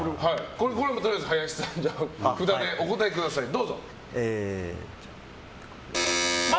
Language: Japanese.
とりあえず、林さん札でお答えください。×！